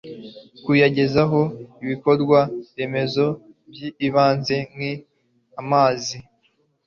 kuyagezaho ibikorwa remezo by'ibanze nk'amazi